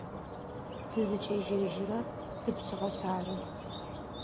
Тызыкӏежьэжьырэр тыпшъыгъэшъ ары.